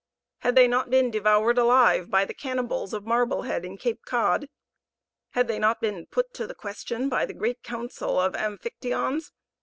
Had they not been devoured alive by the cannibals of Marblehead and Cape Cod? Had they not been put to the question by the great council of Amphictyons?